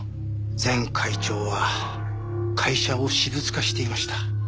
前会長は会社を私物化していました。